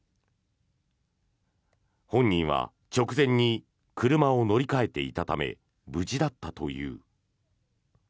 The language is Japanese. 本人は直前に車を乗り換えていたため無事だったという。